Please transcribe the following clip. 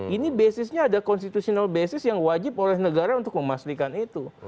ini basisnya ada constitutional basis yang wajib oleh negara untuk memastikan itu